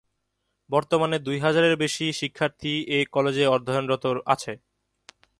বর্তমানে দুই হাজারেরও বেশি শিক্ষার্থী এ কলেজে অধ্যয়নরত আছে।